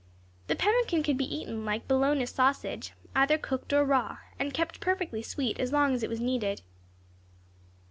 The pemmican could be eaten, like bologna sausage, either cooked or raw, and kept perfectly sweet as long as it was needed.